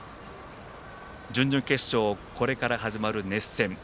準々決勝、これから始まる熱戦。